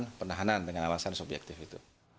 melakukan penahanan dengan alasan subjektif itu